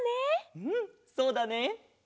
うんそうだね。